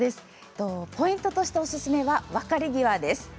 ポイントとしておすすめは、別れ際です。